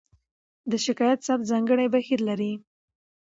د شکایت ثبت ځانګړی بهیر لري.